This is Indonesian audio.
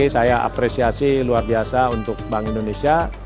saya apresiasi luar biasa untuk bank indonesia